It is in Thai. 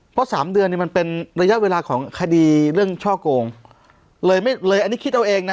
เพราะสามเดือนนี่มันเป็นระยะเวลาของคดีเรื่องช่อโกงเลยไม่เลยอันนี้คิดเอาเองนะ